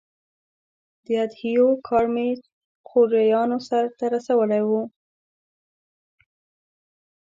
د اضحیو کار مې خوریانو سرته رسولی و.